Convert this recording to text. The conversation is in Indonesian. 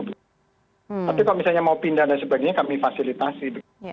tapi kalau misalnya mau pindah dan sebagainya kami fasilitasi